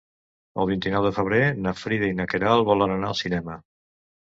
El vint-i-nou de febrer na Frida i na Queralt volen anar al cinema.